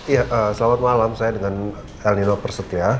ya selamat malam saya dengan el nino perset ya